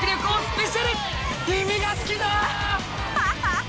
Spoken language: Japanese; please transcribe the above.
ハハハ！